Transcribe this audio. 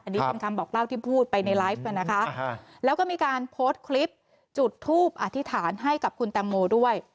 อันนี้เป็นคำบอกเล่าที่พูดไปในไลฟ์นะคะแล้วก็มีการโพสต์คลิปจุดทูปอธิษฐานให้กับคุณแตงโมด้วย